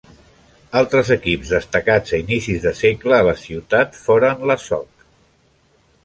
Altres equips destacats a inicis de segle a la ciutat foren la Soc.